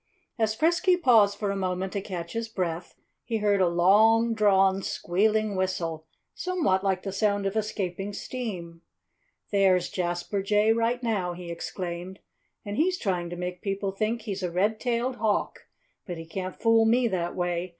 As Frisky paused for a moment to catch his breath he heard a long drawn, squealing whistle, somewhat like the sound of escaping steam. "There's Jasper Jay right now!" he exclaimed. "And he's trying to make people think he's a red tailed hawk. But he can't fool me that way.